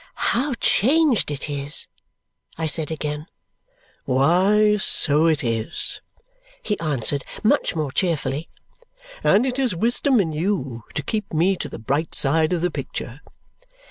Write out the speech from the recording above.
"How changed it is!" I said again. "Why, so it is," he answered much more cheerfully; "and it is wisdom in you to keep me to the bright side of the picture."